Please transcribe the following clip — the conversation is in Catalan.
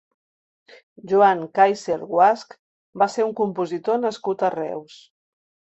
Joan Kaisser Guasch va ser un compositor nascut a Reus.